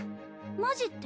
マジって？